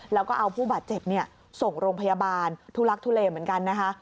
แล้วก็เอาผู้บาดเจ็บส่งโรงพยาบาลทุลักทุเลเหมือนกันนะคะ